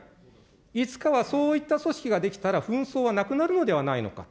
いつかはそういった組織が出来たら紛争はなくなるのではないのか。